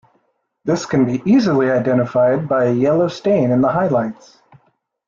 This can be easily identified by a yellow stain in the highlights.